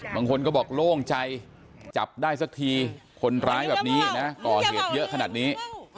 บางคนก็บอกโล่งใจจับได้สักทีคนร้ายแบบนี้นะก่อเหตุเยอะขนาดนี้